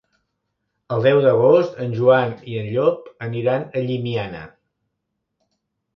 El deu d'agost en Joan i en Llop aniran a Llimiana.